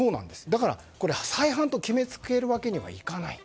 だから、再犯と決めつけるわけにはいかない。